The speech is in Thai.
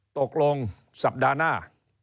ตกลงสัปดาห์หน้า